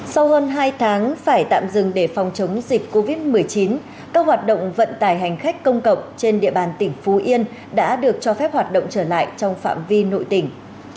sau hơn hai tháng phải tạm dừng để phòng chống dịch covid một mươi chín các hoạt động vận tải hành khách công cộng trên địa bàn tỉnh phú yên đã được cho phép hoạt động trở lại trong phạm vi nội tỉnh